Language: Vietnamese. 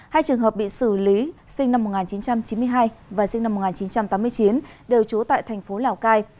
hai trường hợp bị xử lý sinh năm một nghìn chín trăm chín mươi hai và sinh năm một nghìn chín trăm tám mươi chín đều trú tại thành phố lào cai